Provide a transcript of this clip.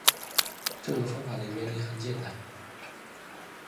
这个方法的原理很简单